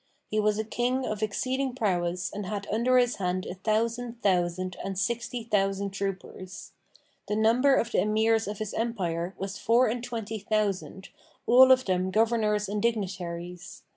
He was a King of exceeding prowess and had under his hand a thousand thousand and sixty thousand troopers. The number of the Emirs of his Empire was four and twenty thousand, all of them Governors and Dignitaries.